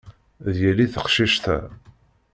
D yelli teqcict-a.